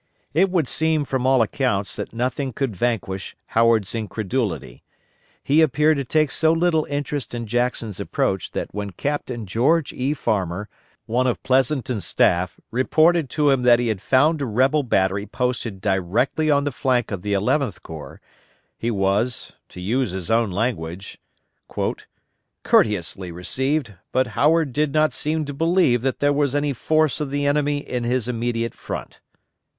It would seem from all accounts that nothing could vanquish Howard's incredulity. He appeared to take so little interest in Jackson's approach that when Captain George E. Farmer, one of Pleasonton's staff, reported to him that he had found a rebel battery posted directly on the flank of the Eleventh Corps, he was, to use his own language, _"courteously received, but Howard did not seem to believe there was any force of the enemy in his immediate front."